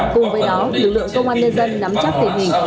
cùng với đó lực lượng công an dân dân nắm chắc thể hình